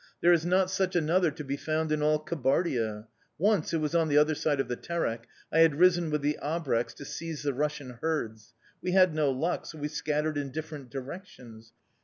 'There is not such another to be found in all Kabardia. Once it was on the other side of the Terek I had ridden with the Abreks to seize the Russian herds. We had no luck, so we scattered in different directions.